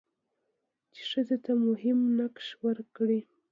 چې ښځې ته مهم نقش ورکړي؛